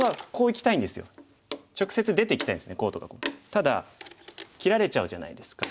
ただ切られちゃうじゃないですか。